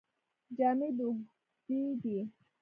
جامې دې اوږدې دي.